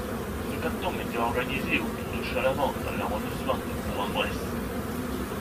Ce canton était organisé autour de Chalamont dans l'arrondissement de Bourg-en-Bresse.